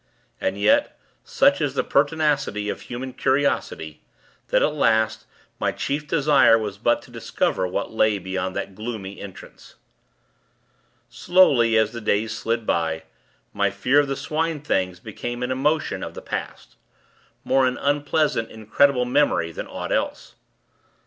And yet, such is the pertinacity of human curiosity, that, at last, my chief desire was but to discover what lay beyond that gloomy entrance. Slowly, as the days slid by, my fear of the Swine things became an emotion of the past more an unpleasant, incredible memory, than aught else.